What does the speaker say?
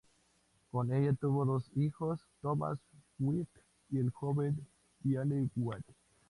Con ella tuvo dos hijos: Thomas Wyatt el Joven y Anne Wyatt.